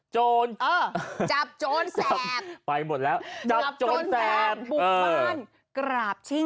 โจรเออจับโจรแสบไปหมดแล้วจับโจรแสบบุกบ้านกราบชิด